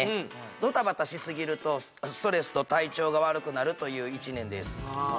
ドタバタしすぎるとストレスと体調が悪くなるという１年です